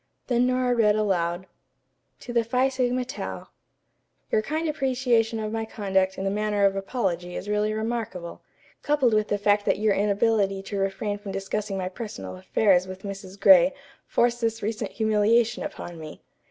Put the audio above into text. Then Nora read aloud: "TO THE PHI SIGMA TAU: "Your kind appreciation of my conduct in the matter of apology is really remarkable, coupled with the fact that your inability to refrain from discussing my personal affairs with Mrs. Gray forced this recent humiliation upon me.